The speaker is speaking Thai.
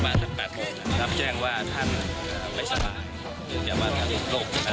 นายก็เลือกนะครับเราก็ผมก็เขียนต้องลองยิงว่าเลือกไป